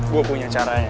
gue punya caranya